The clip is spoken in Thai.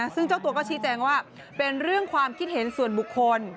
ซึ่งเจ้าตัวก็ชี้แจงว่าเป็นเรื่องความคิดเห็นส่วนบุคคล